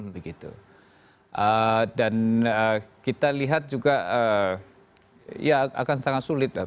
dan kita lihat juga ya akan sangat sulit